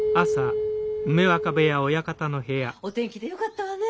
お天気でよかったわね。